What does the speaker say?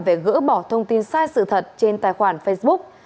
về gỡ bỏ thông tin sai sự thật trên tài khoản facebook